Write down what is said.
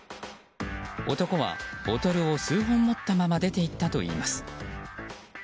男はボトルを数本持ったまま出て行ったといいます。